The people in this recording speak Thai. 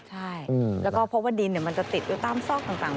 ใช่แล้วก็พบว่าดินมันจะติดอยู่ตามซอกต่าง